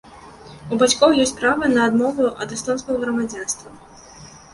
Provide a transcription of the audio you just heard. У бацькоў ёсць права на адмову ад эстонскага грамадзянства.